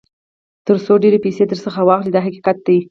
تر څو ډېرې پیسې درڅخه واخلي دا حقیقت دی.